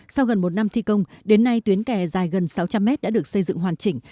sau gần một năm thi công đến nay tuyến kè dài gần sáu trăm linh mét đã được xây dựng hoàn chỉnh